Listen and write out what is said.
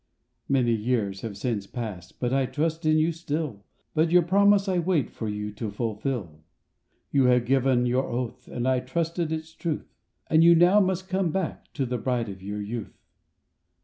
Many years have since passed, But I trust in you still, But your promise I wait For you to fulfill. [ 36 ] SONGS AND DREAMS You have given your oath And I trusted its truth, And you now must come back To the bride of your youth."